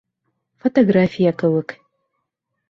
Фотография кеүек.